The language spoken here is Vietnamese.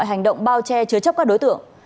hành động bao che chứa chấp các đối tượng